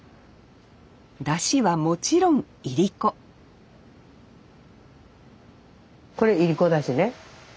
だしはもちろんいりここれいりこだしね。